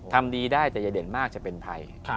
ทำดีได้แต่อย่าเด่นมากจะเป็นภัย